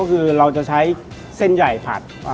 ก็คือเราจะใช้เส้นใหญ่ผัด